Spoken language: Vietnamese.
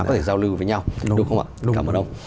có thể giao lưu với nhau